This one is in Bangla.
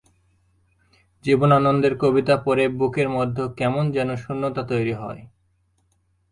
জীবনানন্দের কবিতা পড়ে বুকের মধ্যে কেমন যেন শূণ্যতা তৈরী হয়।